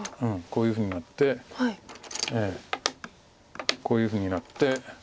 こういうふうになってこういうふうになって。